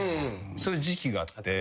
そういう時期があって。